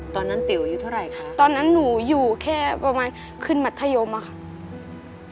ตอนนั้นติ๋วอายุเท่าไหร่คะตอนนั้นหนูอยู่แค่ประมาณขึ้นมัธยมอะค่ะ